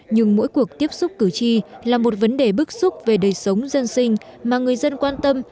nhưng mỗi cuộc tiếp xúc cử tri là một vấn đề bức xúc về đời sống dân sinh mà người dân quan tâm